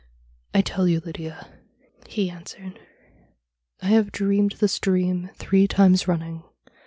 "I tell you, Lydia," he answered, "I have dreamed this dream three times running.